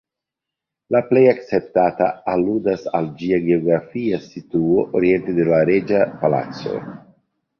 La plej akceptata aludas al ĝia geografia situo, oriente de la Reĝa Palaco.